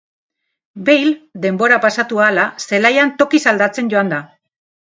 Bale denbora pasatu ahala zelaian tokiz aldatzen joan da.